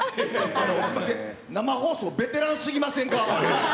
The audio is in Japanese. すみません、生放送、ベテランすぎませんか？